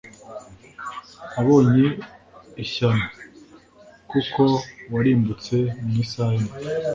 ubonye ishyano kuko warimbutse mu isaha imwe.